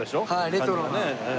レトロな。